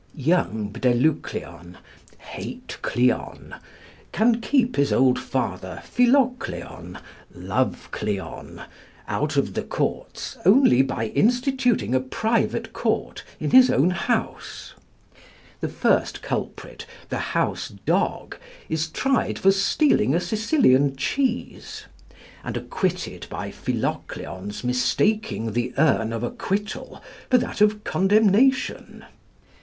Young Bdelucleon (hate Cleon) can keep his old father Philocleon (love Cleon) out of the courts only by instituting a private court in his own house. The first culprit, the house dog, is tried for stealing a Sicilian cheese, and acquitted by Philocleon's mistaking the urn of acquittal for that of condemnation.